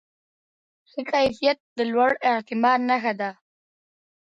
ښه کیفیت د لوړ اعتماد نښه ده.